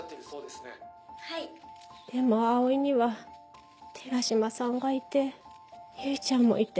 でも葵には寺島さんがいて唯ちゃんもいて。